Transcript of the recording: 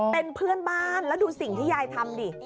เป็นเพื่อนบ้านแล้วดูสิ่งที่ยายทำดิ